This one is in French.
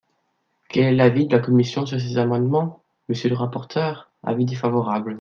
Quel est l’avis de la commission sur ces amendements, monsieur le rapporteur ? Avis défavorable.